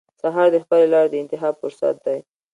سهار د خپلې لارې د انتخاب فرصت دی.